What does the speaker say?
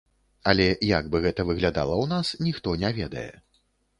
Але як бы гэта выглядала ў нас, ніхто не ведае.